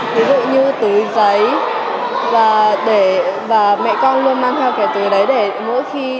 ví dụ như túi giấy và để mẹ con luôn mang theo cái túi đấy để mỗi khi